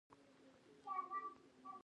هر څه د جنون په مدار را څرخي.